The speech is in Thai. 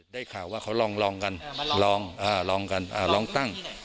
ได้ข่าวว่าเขาลองลองกันลองอ่าลองกันลองตั้ง